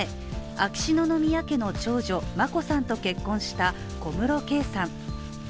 秋篠宮家の長女・眞子さんと結婚した小室圭さん。